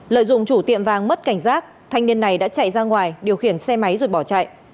lợi dụng chủ tiệm vàng mất cảnh giác thanh niên này đã chạy ra ngoài điều khiển xe máy rồi bỏ chạy